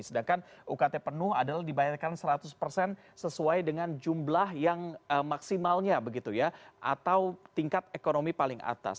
sedangkan ukt penuh adalah dibayarkan seratus persen sesuai dengan jumlah yang maksimalnya begitu ya atau tingkat ekonomi paling atas